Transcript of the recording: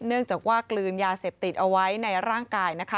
เนื่องจากว่ากลืนยาเสพติดเอาไว้ในร่างกายนะคะ